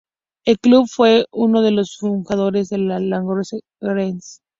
El club fue uno de los fundadores de la Lancashire League.